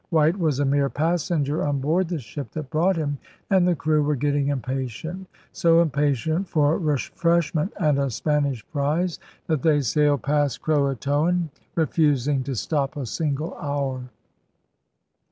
White was a mere passenger on board the ship that brought him; and the crew were getting impatient, so impatient for 'refresh ment' and a Spanish prize that they sailed past Croatoan, refusing to stop a single hour.